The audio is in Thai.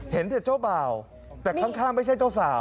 เห็นแต่เจ้าบ่าวแต่ข้างไม่ใช่เจ้าสาว